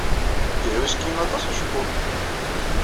Yehhuski aṭas ucebbub-nnem.